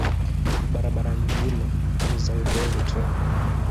Barabara nyingine ni za udongo tu.